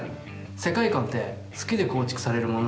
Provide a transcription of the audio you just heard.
世界観って「好き」で構築されるものなんだよね。